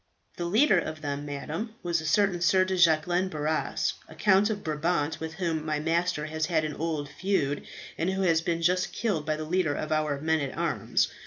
"The leader of them, madam, was a certain Sir de Jacquelin Barras, a Count of Brabant, with whom my master has had an old feud, and who has been just killed by the leader of our men at arms.